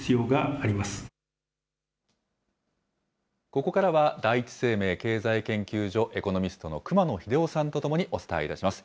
ここからは、第一生命経済研究所エコノミストの熊野英生さんと共にお伝えいたします。